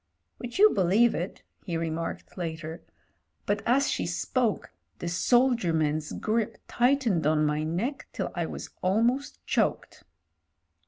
"Would you believe it," he remarked later, "but as she spoke the soldier man's grip tightened on my neck till I was almost choked."